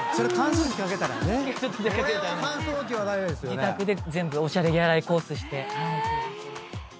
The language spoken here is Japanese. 自宅で全部おしゃれ着洗いコースして。